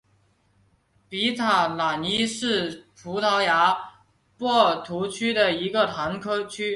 比塔朗伊什是葡萄牙波尔图区的一个堂区。